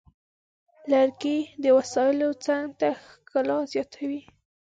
لرګی د وسایلو څنګ ته ښکلا زیاتوي.